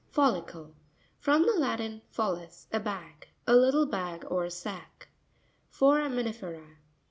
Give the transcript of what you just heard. Fo/tuicLe.—From the Latin, follis, a bag. A little bag or sack. Forami NirE'RA.